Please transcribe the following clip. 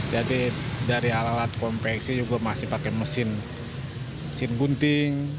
jadi dari alat alat konveksi juga masih pakai mesin gunting